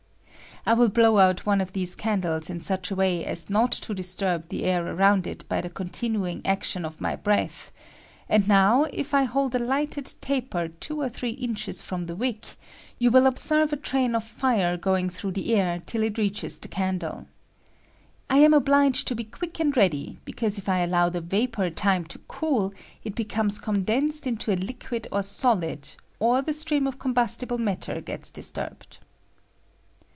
I will blow out one of these candles in such a fc "way as not to disturb the air around it by the L ^ntinuing action of my breath ; and now, if I L told a lighted taper two or three inches &om I the wick, yon will observe a train of fire going BBILLIANCY OP FLAME. 29 tliTOTigh the air till it reaches the candle. I am obliged to be quick and ready, because if I allow the vapor time to cool, it becomes cou denaed into a liquid or eolid, or the stream of combiistible matter gets disturbed.